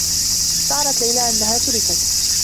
شعرت ليلى أنّها تُركت.